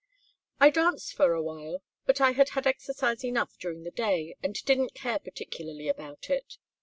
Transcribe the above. "I danced for a while, but I had had exercise enough during the day, and didn't care particularly about it.